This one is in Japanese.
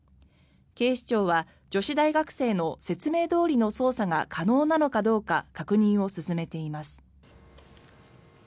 警視庁は女子大学生の説明どおりの操作が可能なのかどうか確認を進めています。